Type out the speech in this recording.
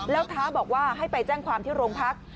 แล้วท้าบอกว่าให้ไปแจ้งความที่โรงพัก